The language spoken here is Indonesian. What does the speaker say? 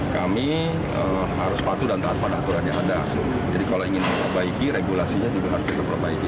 kami harus patuh dan taat pada aturan yang ada jadi kalau ingin memperbaiki regulasinya juga harus kita perbaiki